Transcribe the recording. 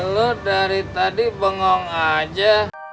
lo dari tadi bengong aja